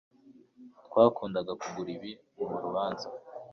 twakundaga kugura ibi murubanza